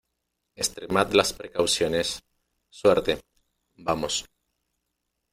extremad las precauciones. suerte, vamos .